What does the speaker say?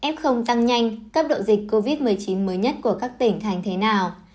f tăng nhanh cấp độ dịch covid một mươi chín mới nhất của các tỉnh thành thế nào